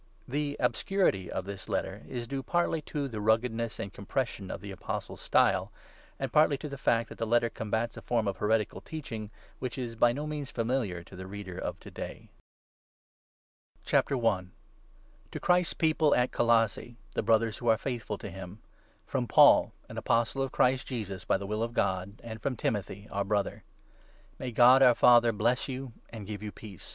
The obscurity of this Letter is due partly to the ruggedness and compression of the Apostle's style, and partly to the fact that the Letter combats a form of heretical teaching which is by no means familiar to the reader of to day. TO THE COLOSSIANS, I. — INTRODUCTION. Greetin ^° Christ's People at Colossae — the Brothers who i, 2 are faithful to him, FROM Paul, an Apostle of Christ Jesus, by the will of God, AND FROM Timothy, our Brother. May God, our Father, bless you and give you peace.